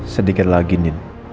sedikit lagi nin